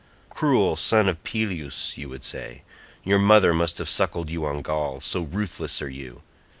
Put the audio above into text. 'Cruel son of Peleus,' you would say, 'your mother must have suckled you on gall, so ruthless are you.